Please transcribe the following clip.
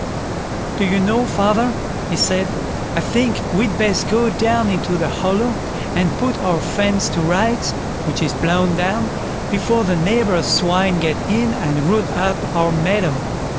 "Do you know, father", he said, "I think we'd best go down into the hollow and put our fence to rights, which is blown down, before the neighbours' swine get in and root up our meadow."